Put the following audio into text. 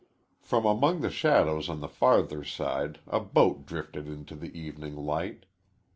From among the shadows on the farther side a boat drifted into the evening light.